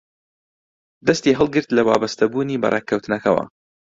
دەستی هەڵگرت لە وابەستەبوونی بە ڕێککەوتنەکەوە